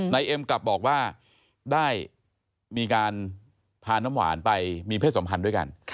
เอ็มกลับบอกว่าได้มีการพาน้ำหวานไปมีเพศสัมพันธ์ด้วยกัน